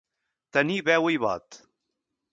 Tenir veu i vot.